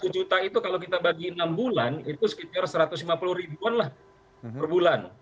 satu juta itu kalau kita bagi enam bulan itu sekitar satu ratus lima puluh ribuan lah per bulan